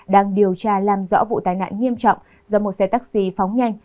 đang điều tra làm rõ vụ tai nạn nghiêm trọng do một xe taxi phóng nhanh